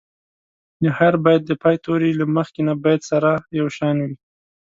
د هر بیت د پای توري له مخکني بیت سره یو شان وي.